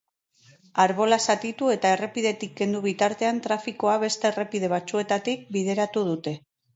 Arbola zatitu eta errepidetik kendu bitartean, trafikoa beste errepide batzuetatik bideratu dute.